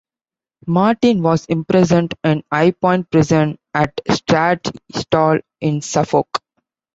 Martin was imprisoned in Highpoint Prison at Stradishall in Suffolk.